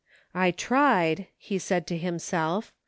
" I tried," he said to himself.